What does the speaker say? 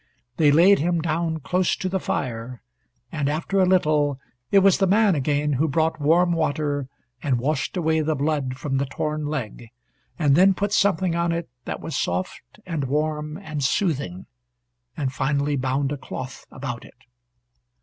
They laid him down close to the fire, and after a little it was the man again who brought warm water and washed away the blood from the torn leg, and then put something on it that was soft and warm and soothing, and finally bound a cloth about it.